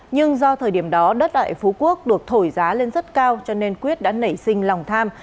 nhưng do thời điểm đó đất tại phú quốc được thổi giá lên rất cao cho nên quyết đã nảy sinh lòng tham